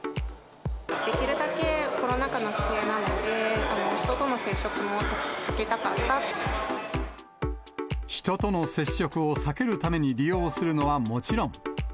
できるだけコロナ禍の帰省な人との接触を避けるために利用するのはもちろん。